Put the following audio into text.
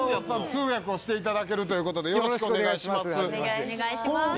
通訳をしていただけるということでよろしくお願いします！